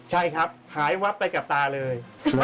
ใช่ครับหายวับไปกับตาเลย